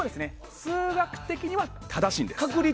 数学的には正しいんです。